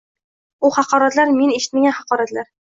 U haqoratlar – men eshitmagan haqoratlar.